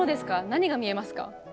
何が見えますか？